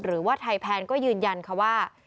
หรือว่าไทยแพนก็ยืนยันค่ะว่า